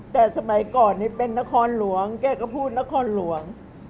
แต่สมัยก่อนนี่เป็นนครหลวงแกก็พูดนครหลวง